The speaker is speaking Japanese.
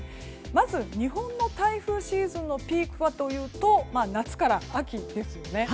まず、日本の台風シーズンのピークはというと夏から秋ですよね。